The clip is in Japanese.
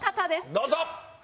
どうぞ！